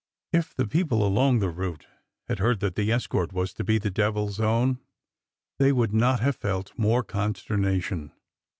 If the people along the route had heard that the escort was to be the devil's own, they would not have felt more consternation.